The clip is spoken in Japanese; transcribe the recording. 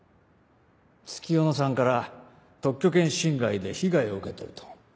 月夜野さんから特許権侵害で被害を受けてると。